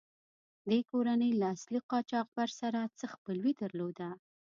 دې کورنۍ له اصلي قاچاقبر سره څه خپلوي درلوده.